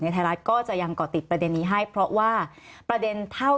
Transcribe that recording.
ไทยรัฐก็จะยังเกาะติดประเด็นนี้ให้เพราะว่าประเด็นเท่า